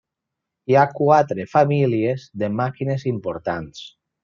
Hi ha quatre famílies de màquines importants.